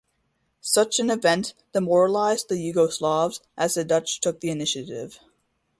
Such an event demoralized the Yugoslavs, as the Dutch took the initiative.